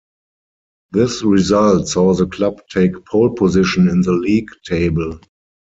This result saw the club take pole-position in the league table.